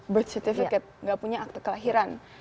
birth certificate nggak punya akte kelahiran